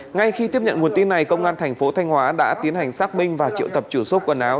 ngay khi tiếp nhận nguồn tin này công an thành phố thanh hóa đã tiến hành xác minh và triệu tập chủ số quần áo